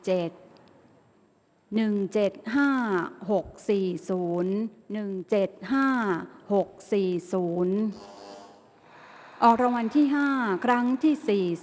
รางวัลที่๕ครั้งที่๔๐